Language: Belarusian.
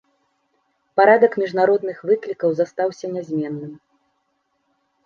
Парадак міжнародных выклікаў застаўся нязменным.